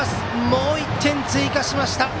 もう１点追加しました！